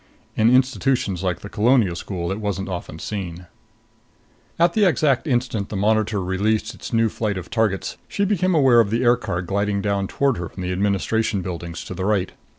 In institutions like the Colonial School it wasn't often seen. At the exact instant the monitor released its new flight of targets, she became aware of the aircar gliding down toward her from the administration buildings on the right.